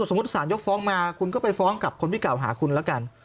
สมมุติสารยกฟ้องมาคุณก็ไปฟ้องกับคนที่เก่าหาคุณแล้วกัน